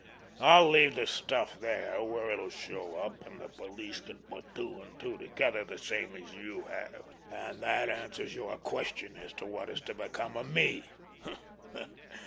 I'll leave the stuff there where it'll show up, and the police can put two and two together the same as you have. And that answers your question as to what is to become of me.